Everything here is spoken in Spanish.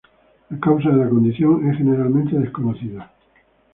La causa de la condición es generalmente desconocida.